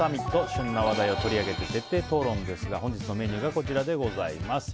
旬な話題を取り上げて徹底討論ですが本日のメニューがこちらです。